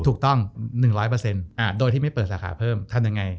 ถูกต้อง๑๐๐โดยที่ไม่เปิดสาขาเพิ่มทำยังไง